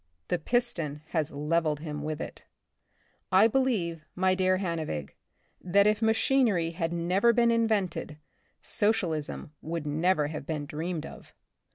The piston has levelled him with it. I believe, my dear Han nevig, that if machinery had never been in vented, socialism would never have been dreamed of.